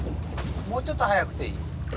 もうちょっと速くていい。